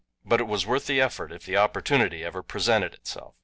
But it was worth the effort if the opportunity ever presented itself.